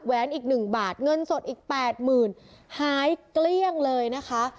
อีก๑บาทเงินสดอีกแปดหมื่นหายเกลี้ยงเลยนะคะ